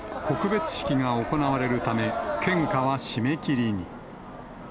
告別式が行われるため、献花は締め切りに。